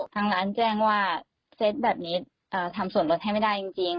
ทางร้านแจ้งว่าเซตแบบนี้ทำส่วนลดให้ไม่ได้จริง